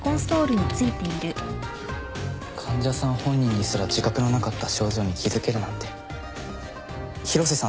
患者さん本人にすら自覚のなかった症状に気付けるなんて広瀬さん